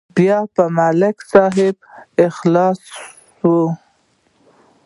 بیا به ملک صاحب خلاصوي.